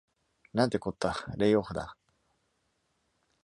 なんてこった、レイオフだ。